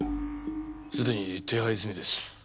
すでに手配済みです。